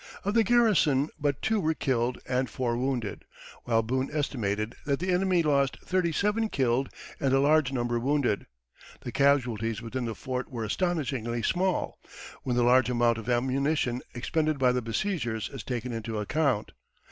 Of the garrison but two were killed and four wounded, while Boone estimated that the enemy lost thirty seven killed and a large number wounded. The casualties within the fort were astonishingly small, when the large amount of ammunition expended by the besiegers is taken into account.